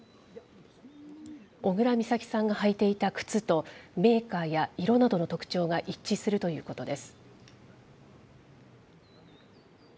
小倉美咲さんが履いていた靴と、メーカーや色などの特徴が一致するということです。